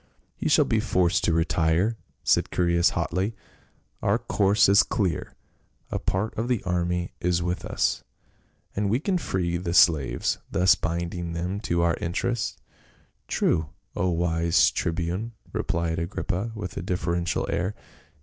" He shall be forced to retire," said Chaereas hotly. " Our course is clear ; a part of the army is with us, 14 210 PA UL. and we can free the slaves, thus binding them to our interests." "True, O wise tribune," rephed Agrippa with a deferential air.